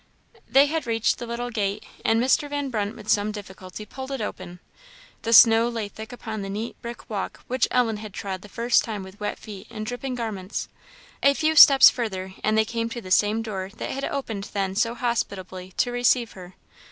They had reached the little gate, and Mr. Van Brunt with some difficulty pulled it open. The snow lay thick upon the neat brick walk which Ellen had trod the first time with wet feet and dripping garments. A few steps further, and they came to the same door that had opened then so hospitably to receive her.